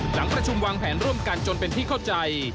หลังประชุมวางแผนร่วมกันจนเป็นที่เข้าใจ